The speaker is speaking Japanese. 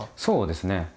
そうですね。